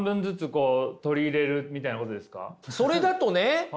それだとね